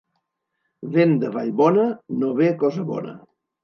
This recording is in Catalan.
Vent de Vallbona, no ve cosa bona.